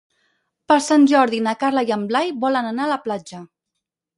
Per Sant Jordi na Carla i en Blai volen anar a la platja.